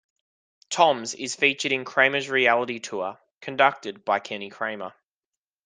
Tom's is featured in "Kramer's Reality Tour" conducted by Kenny Kramer.